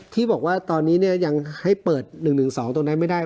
ที่บอกว่าตอนนี้เนี้ยยังให้เปิดหนึ่งหนึ่งสองตรงนี้ไม่ได้